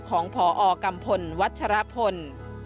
ของพอกัมพลวัชฌาพนธ์